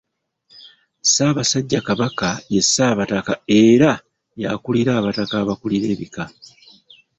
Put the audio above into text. Ssaabasajja Kabaka ye Ssaabataka era y'akulira abataka abakulira ebika.